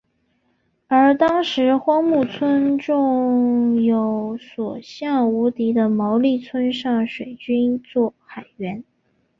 而当时荒木村重有所向无敌的毛利村上水军作海援。